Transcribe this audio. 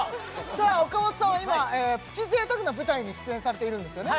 さあ岡本さんは今プチ贅沢な舞台に出演されているんですよね